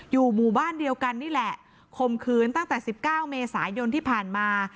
อยู่หมู่บ้านเดียวกันนี่แหละข่มขืนตั้งแต่๑๙เมษายนที่ผ่านมา